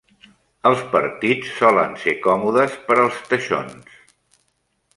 Els partits solen ser còmodes per als teixons.